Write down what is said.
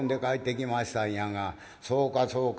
「そうかそうか。